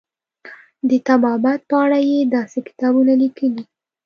د طبابت په اړه یې داسې کتابونه لیکلي.